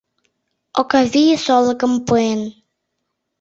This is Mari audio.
ОКАВИЙ СОЛЫКЫМ ПУЭН